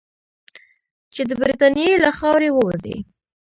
چې د برټانیې له خاورې ووځي.